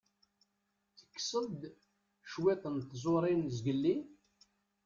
Tekkseḍ-d cwiṭ n tẓuṛin zgelli?